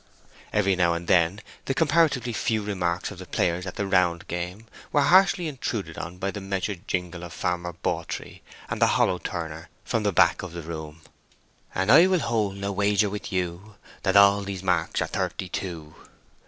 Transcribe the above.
Every now and then the comparatively few remarks of the players at the round game were harshly intruded on by the measured jingle of Farmer Bawtree and the hollow turner from the back of the room: "And I′ will hold′ a wa′ ger with you′ That all′ these marks′ are thirt′ y two!"